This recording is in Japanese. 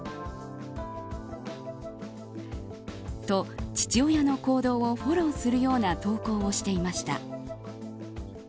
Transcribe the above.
と父親の行動をフォローするような投稿をしていました。